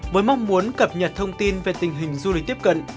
với mong muốn cập nhật thông tin về tình hình du lịch tiếp cận